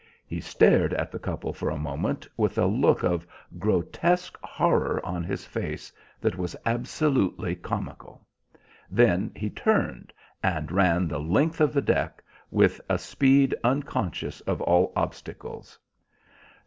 He stared at the couple for a moment with a look of grotesque horror on his face that was absolutely comical. Then he turned, and ran the length of the deck, with a speed unconscious of all obstacles.